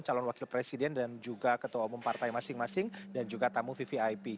calon wakil presiden dan juga ketua umum partai masing masing dan juga tamu vvip